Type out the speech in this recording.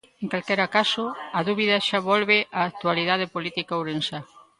En calquera caso, a dúbida xa volve á actualidade política ourensá.